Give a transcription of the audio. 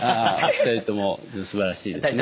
２人ともすばらしいですね。